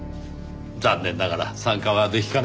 残念ながら参加はできかねます。